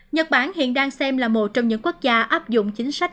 nhật bản hiện đang xem là một trong những quốc gia áp dụng chính sách